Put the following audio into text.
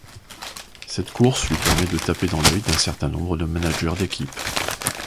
Cette course lui permet de taper dans l'œil d'un certain nombre de managers d'équipes.